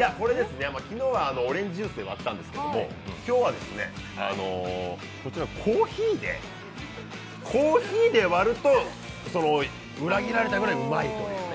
昨日はオレンジジュースで割ったんですけど、今日は、こちらコーヒーで割ると裏切られたぐらいうまいというね。